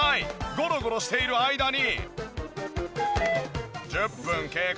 ゴロゴロしている間に。